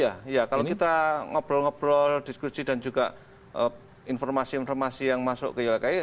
ya kalau kita ngobrol ngobrol diskusi dan juga informasi informasi yang masuk ke ylki